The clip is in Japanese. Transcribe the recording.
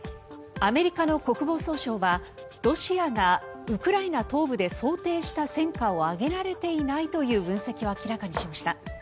アメリカの国防総省はロシアがウクライナ東部で想定した戦果を上げられていないという分析を明らかにしました。